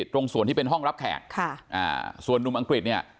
ตรงส่วนที่เป็นห้องรับแขกส่วนนุ่มอังกฤษเนี่ย